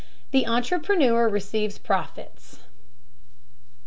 THE ENTREPRENEUR RECEIVES PROFITS.